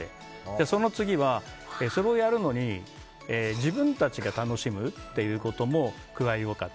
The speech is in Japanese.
その次は、それをやるのに自分たちが楽しむっていうことも加えようかって。